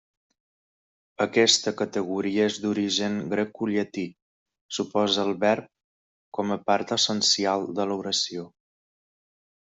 Aquesta categoria és d'origen grecollatí, s'oposa al verb com a part essencial de l'oració.